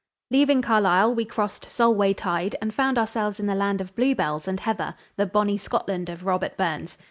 Leaving Carlisle, we crossed "Solway Tide" and found ourselves in the land of bluebells and heather, the "Bonnie Scotland" of Robert Burns.